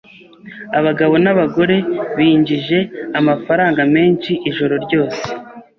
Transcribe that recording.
Abagabo n'abagore binjije amafaranga menshi ijoro ryose.